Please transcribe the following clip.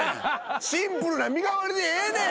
シンプルな身代わりでええねん。